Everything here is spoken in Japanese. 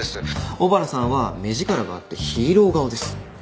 小原さんは目力があってヒーロー顔です。